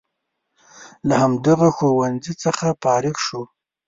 له همدغه ښوونځي څخه فارغ شو.